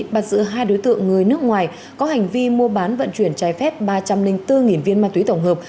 bắt giữ hai đối tượng người nước ngoài có hành vi mua bán vận chuyển trái phép ba trăm linh bốn viên ma túy tổng hợp